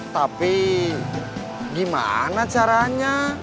tapi gimana caranya